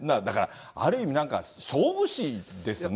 ある意味、なんか勝負師ですよね。